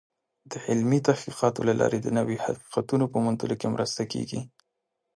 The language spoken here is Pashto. د علمي تحقیقاتو له لارې د نوو حقیقتونو په موندلو کې مرسته کېږي.